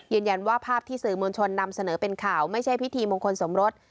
ภาพที่สื่อมวลชนนำเสนอเป็นข่าวไม่ใช่พิธีมงคลสมรส